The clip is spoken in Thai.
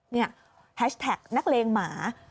นี่แฮชแท็กนักเลงหมา